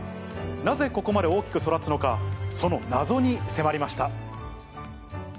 なぜここまで大きく育つのか、その謎に迫りました。